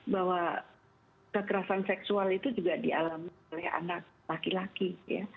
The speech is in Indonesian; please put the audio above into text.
bahwa kekerasan seksual itu juga dialami oleh anak laki laki ya